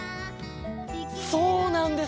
そうなんです！